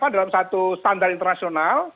dalam satu standar internasional